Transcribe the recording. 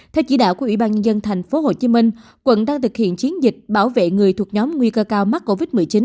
theo chỉ đạo của ủy ban nhân dân tp hcm quận đang thực hiện chiến dịch bảo vệ người thuộc nhóm nguy cơ cao mắc covid một mươi chín